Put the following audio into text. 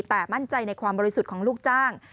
แต่มั่นใจในความบริสุทธิ์ของลูกจ้าง